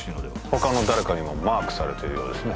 他の誰かにもマークされているようですね